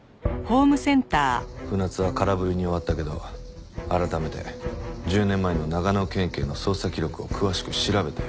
船津は空振りに終わったけど改めて１０年前の長野県警の捜査記録を詳しく調べたよ。